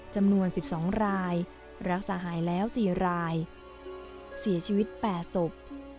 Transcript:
จำนวน๑๒รายรักษาหายแล้ว๔รายเสียชีวิต๘ศพ